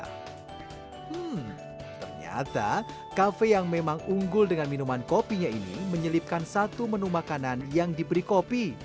hmm ternyata kafe yang memang unggul dengan minuman kopinya ini menyelipkan satu menu makanan yang diberi kopi